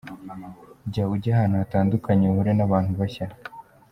Jya ujya ahantu hatandukanye uhure n’ abantu bashya.